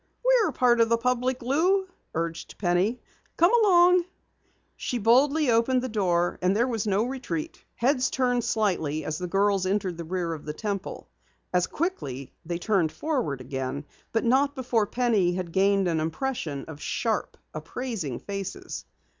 _ "We're part of the public, Lou," urged Penny. "Come along." She boldly opened the door, and there was no retreat. Heads turned slightly as the girls entered the rear of the Temple. As quickly they turned forward again, but not before Penny had gained an impression, of sharp, appraising faces.